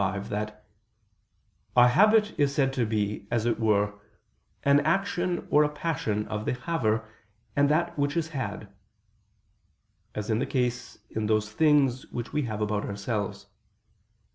25) that "a habit is said to be, as it were, an action or a passion of the haver and that which is had"; as is the case in those things which we have about ourselves.